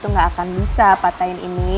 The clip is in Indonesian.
kamu itu gak akan bisa patahin ini